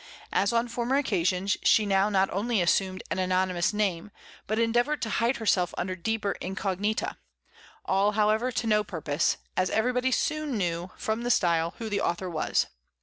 As on former occasions, she now not only assumed an anonymous name, but endeavored to hide herself under deeper incognita, all, however, to no purpose, as everybody soon knew, from the style, who the author was.